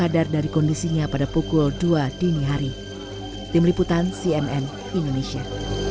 sadar dari kondisinya pada pukul dua dini hari tim liputan cnn indonesia